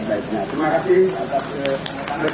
belum pernah ter queue